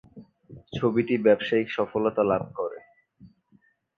ছবিটি ব্যবসায়িক সফলতা লাভ করে।